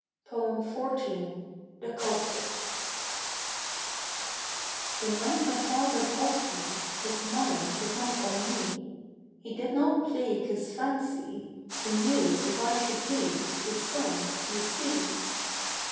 XIV. THE CULPRIT The night my father got me His mind was not on me; He did not plague his fancy To muse if I should be The son you see.